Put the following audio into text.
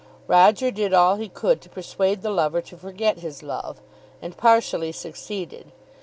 Roger did all he could to persuade the lover to forget his love, and partially succeeded.